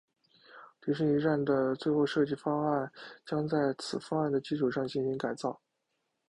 迪士尼站的最后设计方案将在此方案的基础上进行改进。